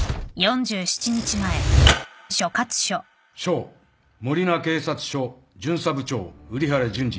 賞守名警察署巡査部長瓜原潤史。